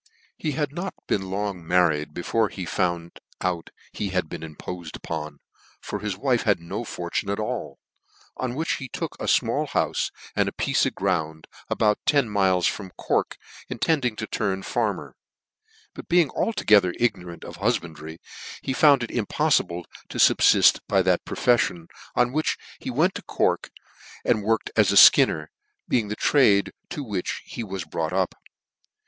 He had not been long married before he found he had been impofcd upon, for his wife had no fortune at all ; on which he took a fmall houfe and apiece of ground, about ten miles from Cork, intending to turn* farmer: but being al together ignornnt of hufbandry, he found it im poffible to fubfift by that profefilon, on which he went to Coi k, and worked as a Ikinner, being the trade IQ which he was brought up.